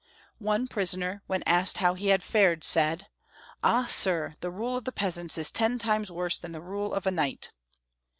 One prisoner, when asked how he had fared, said, " Ah, sir ! the rule of the peasants is ten times worse than the rule of a knight."